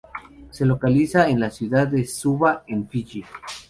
Se localiza en la ciudad de Suva, en Fiyi.